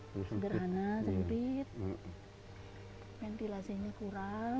hai sederhana sedikit hai ventilasinya kurang